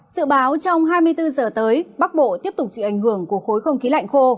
sự báo trong hai mươi bốn giờ tới bắc bộ tiếp tục chịu ảnh hưởng của khối không khí lạnh khô